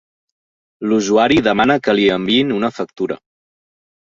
L'usuari demana que li enviïn una factura.